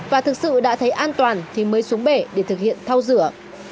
và thực sự đã thấy an toàn thì mới xuống bể để thực hiện thao rửa